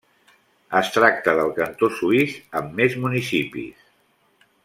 Es tracta del cantó suís amb més municipis.